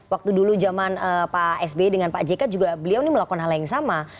waktu dulu zaman pak sby dengan pak jk juga beliau ini melakukan hal yang sama